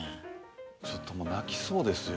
ちょっともう泣きそうですよ。